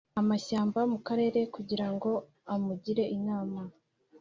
amashyamba mu Karere kugira ngo amugire inama